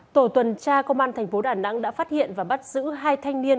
tổ tuần tra công an thành phố đà nẵng đã phát hiện và bắt giữ hai thanh niên